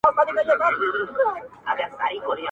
بې وریځو چي را اوري له اسمانه داسي غواړم،